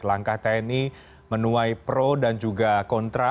langkah tni menuai pro dan juga kontra